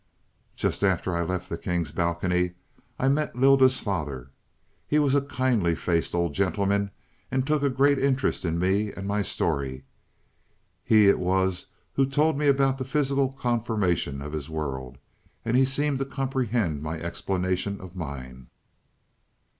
"Just after I left the king's balcony, I met Lylda's father. He was a kindly faced old gentleman, and took a great interest in me and my story. He it was who told me about the physical conformation of his world, and he seemed to comprehend my explanation of mine.